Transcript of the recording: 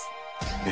え？